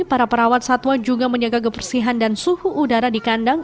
para perawat satwa juga menjaga kebersihan dan suhu udara di kandang